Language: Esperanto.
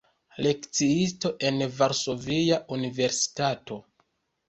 Lekciisto en Varsovia Universitato.